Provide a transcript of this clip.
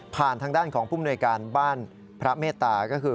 ทางด้านของผู้มนวยการบ้านพระเมตตาก็คือ